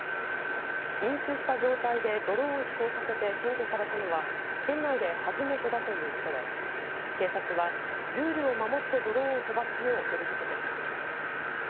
飲酒した状態でドローンを飛行させて検挙されたのは県内で初めてだということで警察はルールを守ってドローンを飛ばすよう呼びかけています。